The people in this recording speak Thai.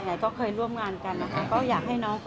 เพราะน้องก็ยังสดใสแล้วก็อายุไม่เยอะนะคะ